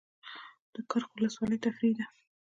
د کرخ ولسوالۍ تفریحي ده